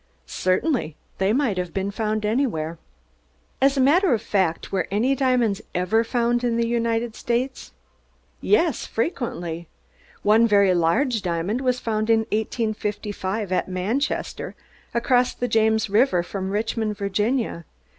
"Certainly. They might have been found anywhere." "As a matter of fact, were any diamonds ever found in the United States?" "Yes, frequently. One very large diamond was found in 1855 at Manchester, across the James River from Richmond, Virginia.